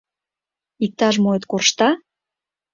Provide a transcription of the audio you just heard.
— Иктаж-моэт коршта?